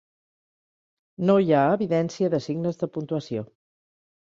No hi ha evidència de signes de puntuació.